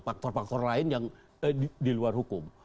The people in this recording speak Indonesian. faktor faktor lain yang diluar hukum